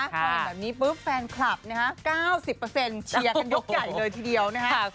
ตอนนี้แฟนคลับ๙๐เชียร์กันยกใหญ่เลยทีเดียวนะฮะ